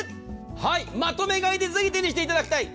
まとめ買いでぜひ手にしていただきたい。